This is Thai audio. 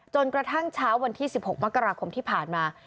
กระทั่งเช้าวันที่๑๖มกราคมที่ผ่านมา